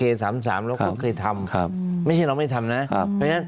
เราก็เคยทำครับไม่ใช่เราไม่ทำนะครับ